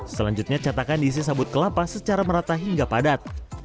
selanjutnya catakan diisi sabut kelapa secara merata hingga padat